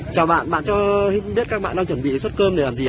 chào bạn bạn cho biết các bạn đang chuẩn bị xuất cơm để làm gì ạ